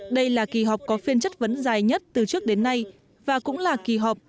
đây là kỳ họp có phiên chất vấn dài nhất từ trước đến nay và cũng là kỳ họp